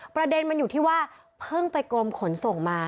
ประเด็นมันอยู่ที่ว่าเพิ่งไปกรมขนส่งมา